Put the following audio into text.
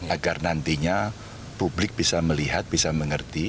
agar nantinya publik bisa melihat bisa mengerti